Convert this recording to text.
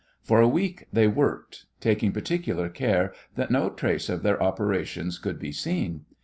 For a week they worked, taking particular care that no trace of their operations could be seen.